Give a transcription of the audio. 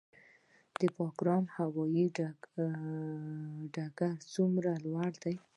د بګرام هوايي ډګر څومره لوی دی؟